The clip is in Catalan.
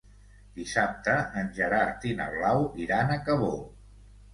Dissabte en Gerard i na Blau iran a Cabó.